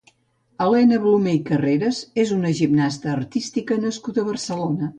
Elena Blume i Carreras és una gimnasta artística nascuda a Barcelona.